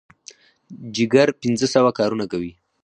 جګر پنځه سوه کارونه کوي.